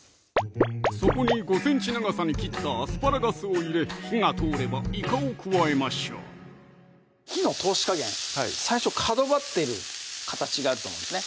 そこに５ｃｍ長さに切ったアスパラガスを入れ火が通ればいかを加えましょう火の通し加減はい最初角張ってる形があると思うんですね